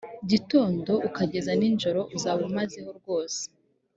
gitondo ukageza nijoro uzaba umazeho rwose